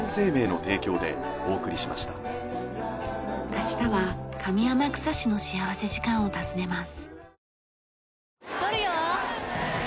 明日は上天草市の幸福時間を訪ねます。